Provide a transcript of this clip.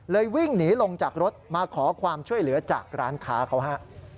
วิ่งหนีลงจากรถมาขอความช่วยเหลือจากร้านค้าเขาฮะ